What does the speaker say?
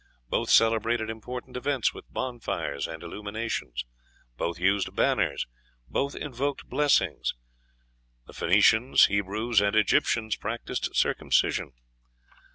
Both celebrated important events with bonfires and illuminations; both used banners, both invoked blessings. The Phoenicians, Hebrews, and Egyptians practised circumcision.